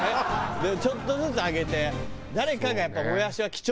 でちょっとずつ上げて。